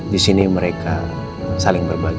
disini mereka saling berbagi